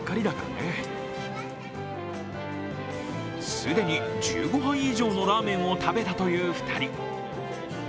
既に１５杯以上のラーメンを食べたという２人。